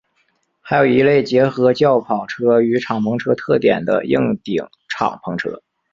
还有一类结合轿跑车与敞篷车特点的硬顶敞篷车。